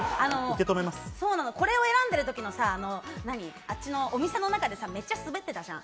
これを選んでいるときのお店の中でめっちゃスベってたじゃん。